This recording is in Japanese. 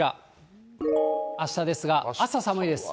あしたですが、寒いです。